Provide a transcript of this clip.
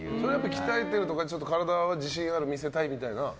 鍛えているとか体は自信ある見せたいみたいな？